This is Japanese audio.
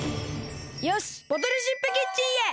よしボトルシップキッチンへ。